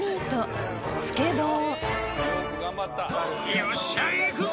「よっしゃ行くぜ！」